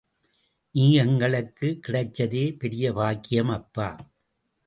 நீ எங்களுக்குக் கிடைச்சதே பெரிய பாக்கியம் அப்பா!